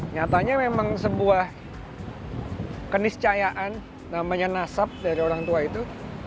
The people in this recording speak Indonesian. nyatanya memang sebuah keniscayaan namanya nasab dari orang tua itu